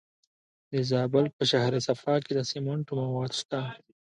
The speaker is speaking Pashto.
د زابل په شهر صفا کې د سمنټو مواد شته.